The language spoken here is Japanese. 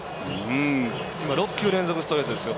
６球連続ストレートですよ